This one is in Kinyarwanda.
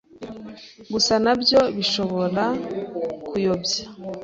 Gusa nabyo bishobora kuyobya